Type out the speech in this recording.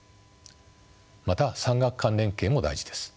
また産官学連携も大事です。